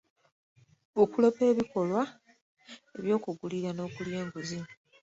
Okuloopa ebikolwa by'okugulirira n'okulya enguzi.